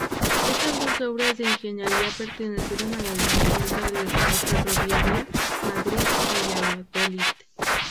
Estas dos obras de ingeniería pertenecen a la línea de alta velocidad ferroviaria Madrid-Valladolid.